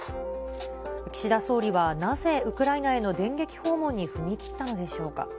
岸田総理はなぜ、ウクライナへの電撃訪問に踏み切ったのでしょうか。